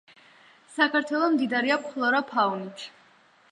საქართველო მდიდარია ფლორა -ფაუნით.